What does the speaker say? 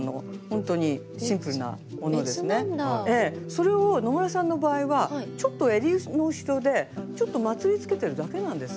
それを野村さんの場合はちょっとえりの後ろでちょっとまつりつけてるだけなんです。